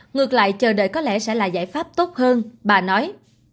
ngược lại chờ đợi có lẽ sẽ là giải pháp tốt hơn bà nói